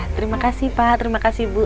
terima kasih pak terima kasih bu